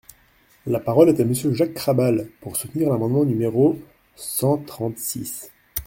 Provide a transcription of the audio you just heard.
La parole est à Monsieur Jacques Krabal, pour soutenir l’amendement numéro cent trente-six.